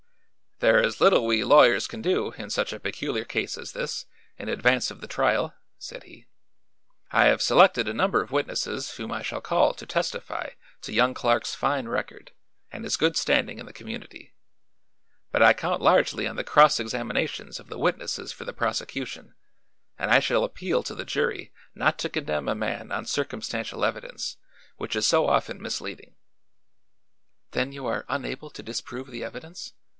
"There is little we lawyers can do, in such a peculiar case as this, in advance of the trial," said he. "I have selected a number of witnesses whom I shall call to testify to young Clark's fine record and his good standing in the community. But I count largely on the cross examinations of the witnesses for the prosecution, and I shall appeal to the jury not to condemn a man on circumstantial evidence, which is so often misleading." "Then you are unable to disprove the evidence?"